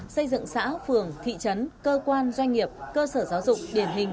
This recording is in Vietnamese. xây dựng xã phường thị trấn cơ quan doanh nghiệp cơ sở giáo dục điển hình